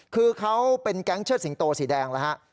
คือเขาเป็นแก๊งเชิดสิงโตสีแดงแล้วฮะ